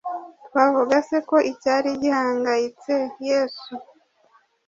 twavuga se ko icyari gihangayitse yesu